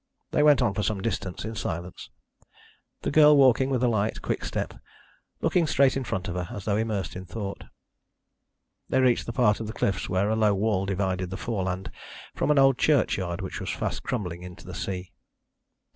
They went on for some distance in silence, the girl walking with a light quick step, looking straight in front of her, as though immersed in thought. They reached a part of the cliffs where a low wall divided the foreland from an old churchyard which was fast crumbling into the sea.